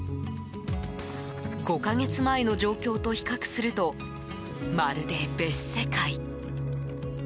５か月前の状況と比較するとまるで別世界。